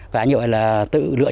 và nhiều là tự lượng